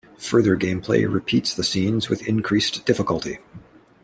Further gameplay repeats the scenes with increased difficulty.